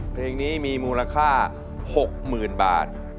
เพลงนี้มีมูลค่า๖๐๐๐บาท